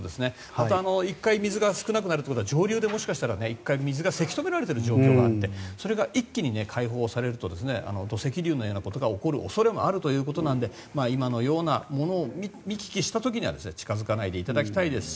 また水が少なくなるということはもしかすると上流で１回、水がせき止められている状況があってそれが一気に開放されると土石流のようなことが起こる恐れもあるので今のようなものを見聞きした時は近づかないでいただきたいです。